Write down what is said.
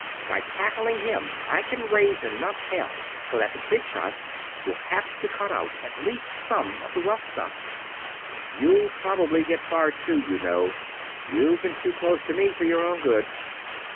By tackling him I can raise enough hell so that the Big Shots will have to cut out at least some of the rough stuff. You'll probably get fired too, you know you've been too close to me for your own good."